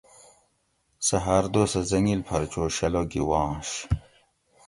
سہ ہاۤر دوسہ زنگیل پھر چو شلہ گھی واںش